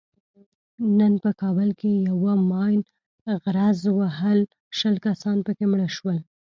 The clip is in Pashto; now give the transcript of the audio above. نن په کابل کې یوه ماین غرز وهلو شل کسان پکې مړه شول.